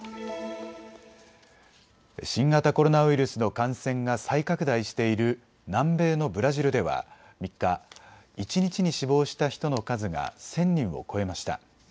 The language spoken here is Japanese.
新型コロナウイルスの感染が再拡大している南米のブラジルでは３日、一日に死亡した人の数が１０００人を超えました。